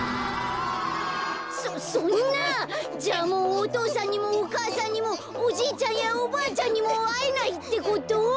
そそんなじゃあもうお父さんにもお母さんにもおじいちゃんやおばあちゃんにもあえないってこと？